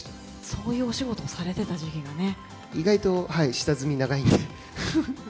そういうお仕事をされてた時意外と、下積み長いんで。